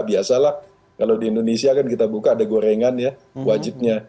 biasalah kalau di indonesia kan kita buka ada gorengan ya wajibnya